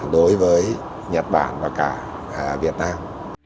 đối với nhật bản và cả việt nam